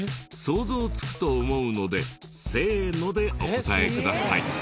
想像つくと思うのでせーのでお答えください。